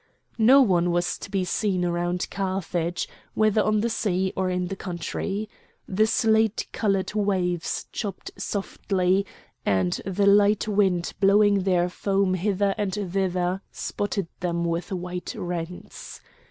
No one was to be seen around Carthage, whether on the sea or in the country. The slate coloured waves chopped softly, and the light wind blowing their foam hither and thither spotted them with white rents.